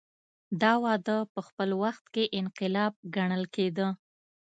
دا وده په خپل وخت کې انقلاب ګڼل کېده.